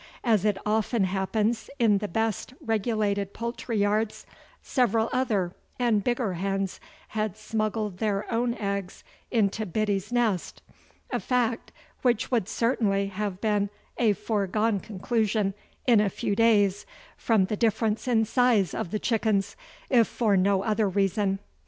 As it often happens in the best regulated poultry yards, several other and bigger hens had smuggled their own eggs into Biddy's nest; a fact which would certainly have been a foregone conclusion in a few days from the difference in size of the chickens if for no other reason.